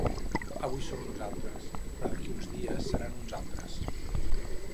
Avui som nosaltres, però d’aquí uns dies seran uns altres.